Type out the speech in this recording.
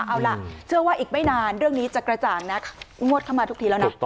เอาล่ะเชื่อว่าอีกไม่นานเรื่องนี้จะกระจ่างนะงวดเข้ามาทุกทีแล้วนะ